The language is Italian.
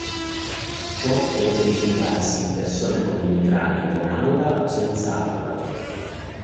Ciò può verificarsi in persone con emicrania con aura o senza aura.